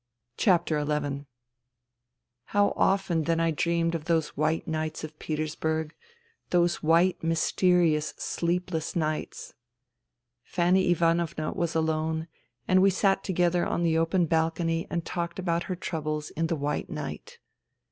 XI How often then I dreamed of those white nights of Petersburg, those white mysterious sleepless nights. ... Fanny Ivanovna was alone, and we sat together on the open balcony and talked about her troubles in the white night.